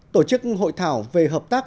tổ chức hội thảo về hợp tác